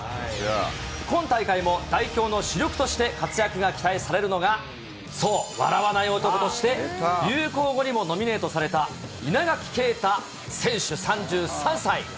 今大会も代表の主力として活躍が期待されるのが、そう、笑わない男として流行語にもノミネートされた稲垣啓太選手３３歳。